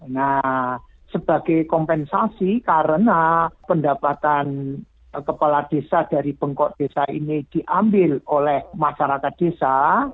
nah sebagai kompensasi karena pendapatan kepala desa dari bengkok desa ini diambil oleh masyarakat desa